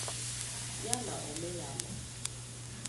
ya na omenala